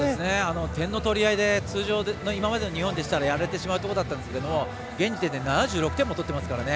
点の取り合いで今までの日本でしたらやられてしまうところですが現時点で７６点も取ってますからね。